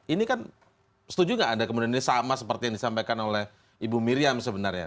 ini kan setuju nggak anda kemudian ini sama seperti yang disampaikan oleh ibu miriam sebenarnya